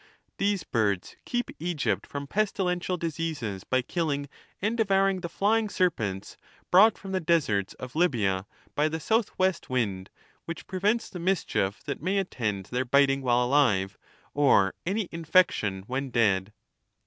These birds keep Eo^ypt from pestilential diseases by killing and devouring the flying serpents brought from the deserts of Lybia by the south west wind, which prevents the mischief that may attend their biting while alive, or any infection when dead.